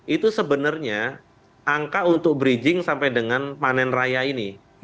itu sebenarnya angka untuk bridging sampai dengan panen raya ini